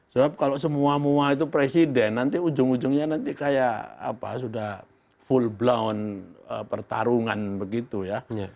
sebab kalau semua mua itu presiden nanti ujung ujungnya nanti kayak apa sudah full blow pertarungan begitu ya